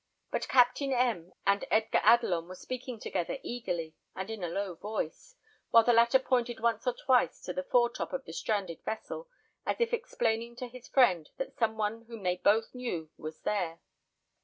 But Captain M and Edgar Adelon were speaking together eagerly and in a low voice, while the latter pointed once or twice to the fore top of the stranded vessel, as if explaining to his friend that some one whom they both knew was there.